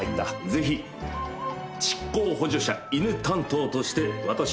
ぜひ執行補助者犬担当として私を守って頂きたい。